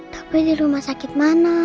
tapi di rumah sakit mana